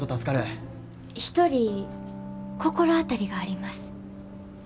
一人心当たりがあります。